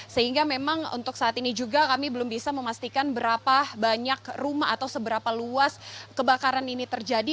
sehingga memang untuk saat ini juga kami belum bisa memastikan berapa banyak rumah atau seberapa luas kebakaran ini terjadi